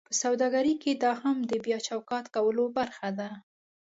په سوداګرۍ کې دا هم د بیا چوکاټ کولو برخه ده: